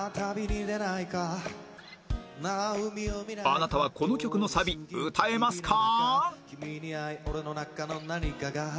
あなたはこの曲のサビ歌えますか？